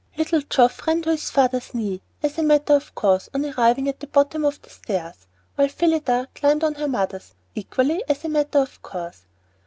Little Geoff ran to his father's knee, as a matter of course, on arriving at the bottom of the stairs, while Phillida climbed her mother's, equally as a matter of course.